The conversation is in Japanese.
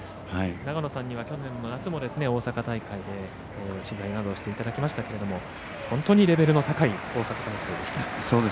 長野さんには去年の夏も大阪大会で取材などをしていただきましたけれども本当にレベルの高い大阪大会でした。